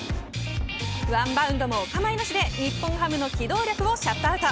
１バウンドもお構いなしで日本ハムの機動力をシャットアウト。